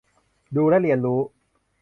ดูและเรียนรู้